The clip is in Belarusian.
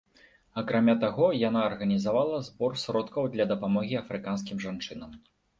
Акрамя таго, яна арганізавала збор сродкаў для дапамогі афрыканскім жанчынам.